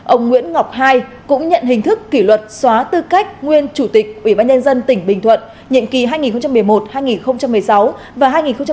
ông nguyễn ngọc ii cũng nhận hình thức kỷ luật xóa tư cách nguyên chủ tịch ubnd tỉnh bình thuận nhiệm kỳ hai nghìn một mươi một hai nghìn một mươi sáu và hai nghìn một mươi sáu